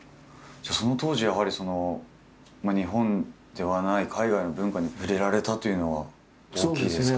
じゃあその当時やはり日本ではない海外の文化に触れられたというのは大きいですか？